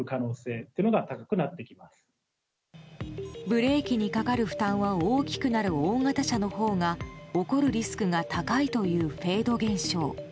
ブレーキにかかる負担が大きくなる大型車のほうが起こるリスクが高いというフェード現象。